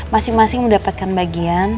masing masing mendapatkan bagian